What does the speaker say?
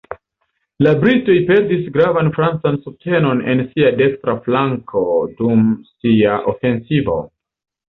La britoj perdis gravan francan subtenon en sia dekstra flanko dum sia ofensivo.